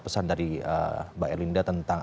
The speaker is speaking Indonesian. pesan dari mbak erlinda tentang